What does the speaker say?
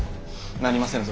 なりませぬぞ！